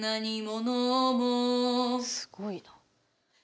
すごいな。